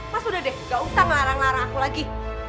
mas udah deh gak usah ngelarang larang aku lagi